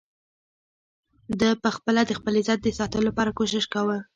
ده په خپله د خپل عزت د ساتلو لپاره کوشش کاوه.